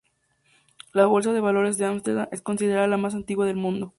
La Bolsa de Valores de Ámsterdam es considerada la más antigua del mundo.